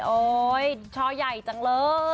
โอ๊ยช่อใหญ่จังเลย